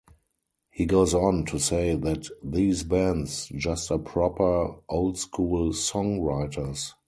He goes on to say that these bands just are proper old school songwriters.